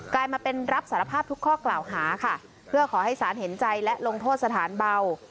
ลายมาเป็นรับสารภาพทุกข้อกล่าวหาค่ะเพื่อขอให้สารเห็นใจและลงโทษสถานเบา